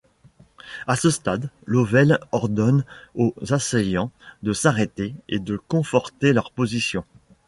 À ce stade, Lovell ordonne aux assaillants de s’arrêter et de conforter leur position.